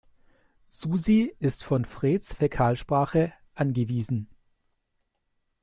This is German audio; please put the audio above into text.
Susi ist von Freds Fäkalsprache angewiesen.